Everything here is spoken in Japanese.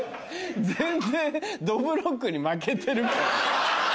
全然どぶろっくに負けてるから。